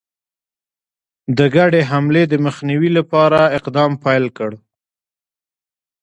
د ګډي حملې د مخنیوي لپاره اقدام پیل کړ.